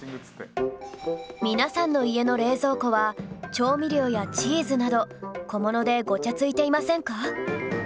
皆さんの家の冷蔵庫は調味料やチーズなど小物でごちゃついていませんか？